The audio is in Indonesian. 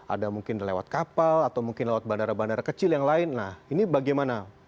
ada mungkin lewat kapal atau mungkin lewat bandara bandara kecil yang lain nah ini bagaimana